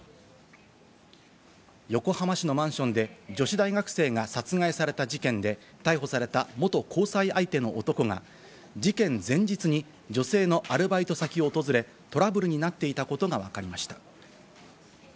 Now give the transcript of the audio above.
横浜市のマンションで女子大学生が殺害された事件で、逮捕された元交際相手の男が事件前日に女性のアルバイト先を訪れ、トラブルになっていたことがわかりました。